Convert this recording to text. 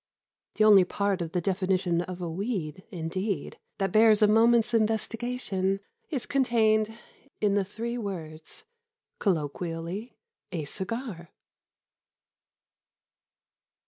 The only part of the definition of a weed, indeed, that bears a moment's investigation is contained in the three words: "colloq., a cigar."